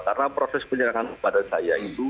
karena proses penyerangan kepada saya itu